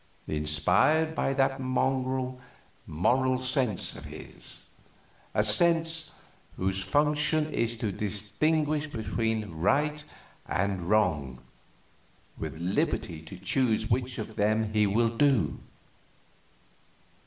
Inspired by that mongrel Moral Sense of his! A sense whose function is to distinguish between right and wrong, with liberty to choose which of them he will do.